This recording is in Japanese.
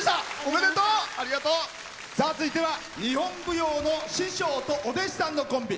続いては日本舞踊の師匠とお弟子さんのコンビ。